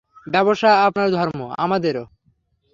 ব্যবসা আপনার ধর্ম, আমাদেরও।